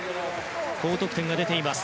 高得点が出ています